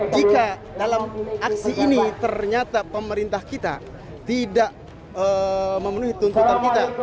jika dalam aksi ini ternyata pemerintah kita tidak memenuhi tuntutan kita